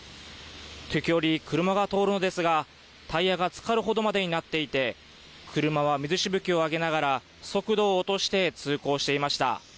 時折車が通るのですが、タイヤがつかるほどまでになっていて車は水しぶきを上げながら速度を落として通行していました。